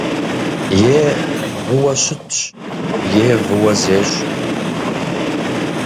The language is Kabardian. Е выуэ щытщ, е выуэ зещӏ.